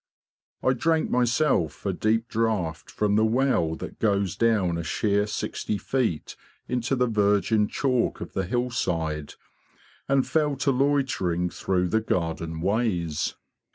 I drank myself a deep draught from the well that goes down a sheer sixty feet into the virgin chalk of the hillside, and fell to loitering through the garden ways.